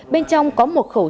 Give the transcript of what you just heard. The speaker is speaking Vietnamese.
bên trong có một khẩu súng